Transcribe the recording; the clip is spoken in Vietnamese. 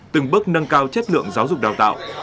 từng bước nâng cao chất lượng giáo dục đào tạo